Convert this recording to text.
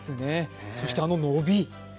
そして、あの伸び。